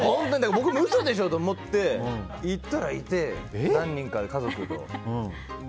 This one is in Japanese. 僕も嘘でしょと思って行ったらいて、何人かで家族と。